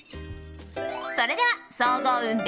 それでは総合運